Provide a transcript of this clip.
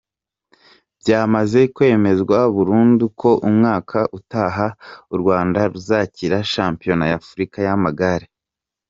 Byamaze kwemezwa burundu ko umwaka utaha u Rwanda ruzakira shampiyona ya Afurika y’Amagare.